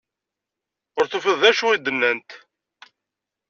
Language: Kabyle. Ur tufiḍ d acu i d-nnant.